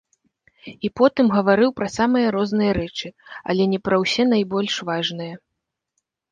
І потым гаварыў пра самыя розныя рэчы, але не пра ўсё найбольш важныя.